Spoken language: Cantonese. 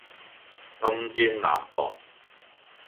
暗箭難防